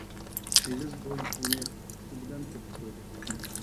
ئېگىز بوي ئۇنى پۇتى بىلەن تېپىپ قويدى.